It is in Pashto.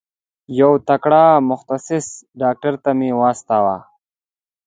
یو تکړه متخصص ډاکټر ته مي واستوه.